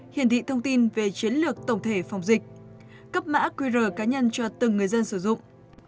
hiển thị thông tin về chiến lược tổng thể phòng dịch cấp mã qr cá nhân cho từng người dân sử dụng